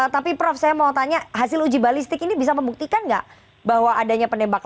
tapi prof saya mau tanya hasil uji balistik ini bisa membuktikan nggak bahwa adanya penembakan